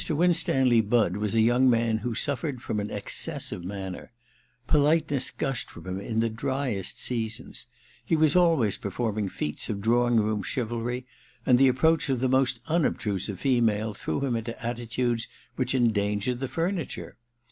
Winstanley Budd was a young man who suflered from an excess of manner. Polite ness gushed from him in the driest seasons. He was always performing feats of drawing room chivalry, and the approach of the most imobtilisive female threw him into attitudes 1 86 THE MISSION OF JANE v ; which endangered the furniture.